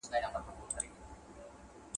فکر د زده کوونکي له خوا کيږي!!